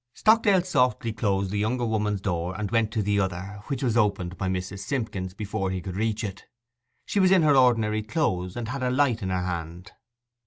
Stockdale softly closed the younger woman's door and went on to the other, which was opened by Mrs. Simpkins before he could reach it. She was in her ordinary clothes, and had a light in her hand.